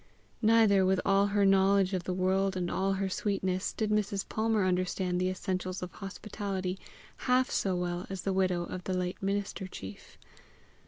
Neither, with all her knowledge of the world and all her sweetness, did Mrs. Palmer understand the essentials of hospitality half so well as the widow of the late minister chief.